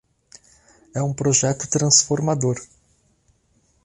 É um projeto transformador